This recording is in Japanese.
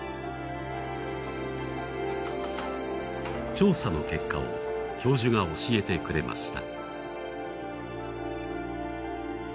調査の結果を教授が教えてくれました。